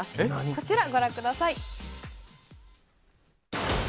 こちらご覧ください。